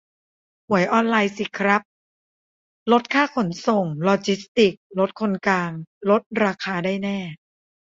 หวยออนไลน์สิครับ ลดค่าขนส่ง-ลอจิสติกส์ ลดคนกลาง ลดราคาได้แน่